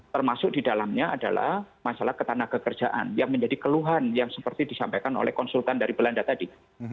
termasuk di dalamnya adalah masalah ketanagakerjaan yang menjadi keluhan yang seperti disampaikan oleh konsultan dari belanda tadi